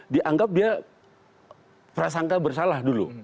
dianggap dia prasangka bersalah dulu